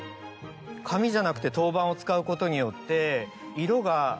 紙じゃなくて陶板を使うことによって。